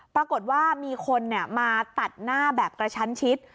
ปรากฏว่ามีคนมาตัดหน้าแบบกระชั้นชิด